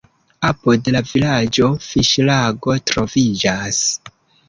Apud la vilaĝo fiŝlago troviĝas.